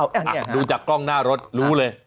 อ่ะดูจากกล้องหน้ารถรู้เลย